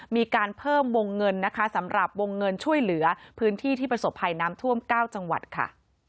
มีการเพิ่มวงเงินนะคะสำหรับวงเงินช่วยเหลือพื้นที่ที่ประสบภัยน้ำท่วม๙จังหวัดค่ะ